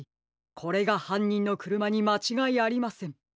これがはんにんのくるまにまちがいありません。